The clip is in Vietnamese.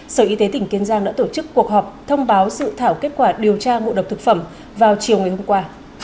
sở y tế tỉnh kiên giang đã tổ chức cuộc họp thông báo sự thảo kết quả điều tra ngộ độc thực phẩm vào chiều ngày hôm qua